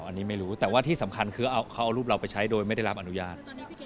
อันนี้ไม่รู้แต่ว่าที่สำคัญคือเขาเอารูปเราไปใช้โดยไม่ได้รับอนุญาต